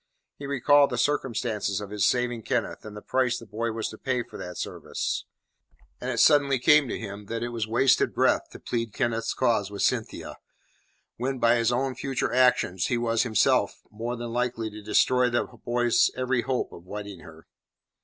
He recalled the circumstances of his saving Kenneth, and the price the boy was to pay for that service; and it suddenly came to him that it was wasted breath to plead Kenneth's cause with Cynthia, when by his own future actions he was, himself, more than likely to destroy the boy's every hope of wedding her.